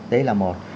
đấy là một